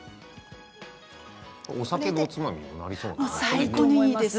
お酒のおつまみにもなりそうです。